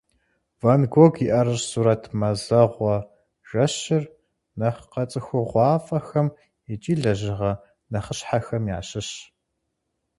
Ван Гог и ӏэрыщӏ сурэт «Мазэгъуэ жэщыр» нэхъ къэцӏыхугъуафӏэхэм икӏи лэжьыгъэ нэхъыщхьэхэм ящыщщ.